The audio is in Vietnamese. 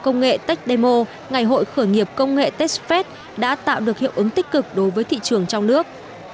công nghệ tech demo ngày hội khởi nghiệp công nghệ techspet đã tạo được hiệu ứng tích cực đối với thị trường trong nước